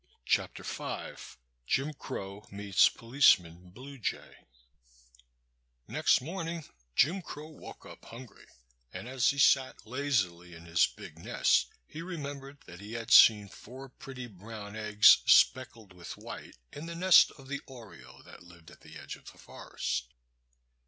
Chapter V Jim Crow Meets Policeman Blue Jay NEXT morning Jim Crow woke up hungry, and as he sat lazily in his big nest, he remembered that he had seen four pretty brown eggs, speckled with white, in the nest of the oriole that lived at the edge of the forest.